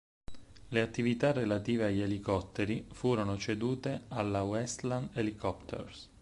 Le attività relative agli elicotteri furono cedute alla Westland Helicopters.